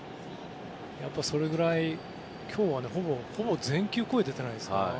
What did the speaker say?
それぐらい今日は、ほぼ全球声が出ていないですか。